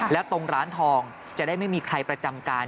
แล้วตรงร้านทองจะได้ไม่มีใครประจำการ